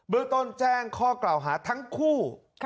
เรื่องต้นแจ้งข้อกล่าวหาทั้งคู่